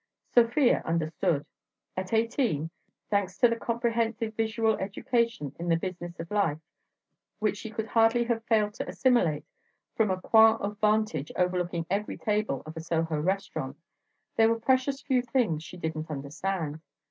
Sofia understood. At eighteen—thanks to the comprehensive visual education in the business of life which she could hardly have failed to assimilate from a coign of vantage overlooking every table of a Soho restaurant—there were precious few things she didn't understand.